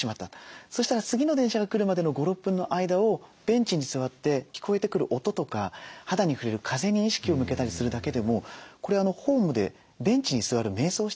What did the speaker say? そしたら次の電車が来るまでの５６分の間をベンチに座って聞こえてくる音とか肌に触れる風に意識を向けたりするだけでもこれホームでベンチに座るめい想をしてることになりますよね。